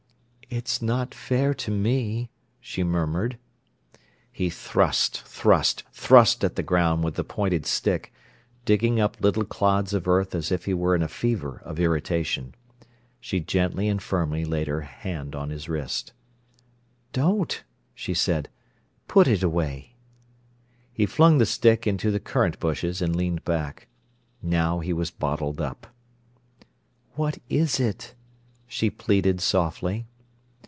"It's not fair to me," she murmured. He thrust, thrust, thrust at the ground with the pointed stick, digging up little clods of earth as if he were in a fever of irritation. She gently and firmly laid her band on his wrist. "Don't!" she said. "Put it away." He flung the stick into the currant bushes, and leaned back. Now he was bottled up. "What is it?" she pleaded softly.